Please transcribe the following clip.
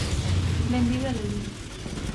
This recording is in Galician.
Benvido a Lalín.